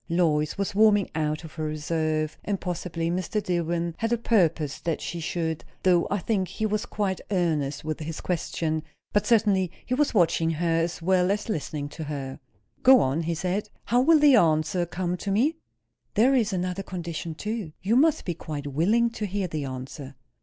Lois was warming out of her reserve, and possibly Mr. Dillwyn had a purpose that she should; though I think he was quite earnest with his question. But certainly he was watching her, as well as listening to her. "Go on," he said. "How will the answer come to me?" "There is another condition, too. You must be quite willing to hear the answer."